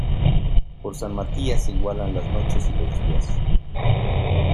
Por San Matías se igualan las noches y los días.